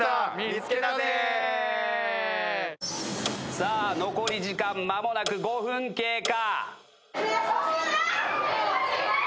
さあ残り時間間もなく５分経過。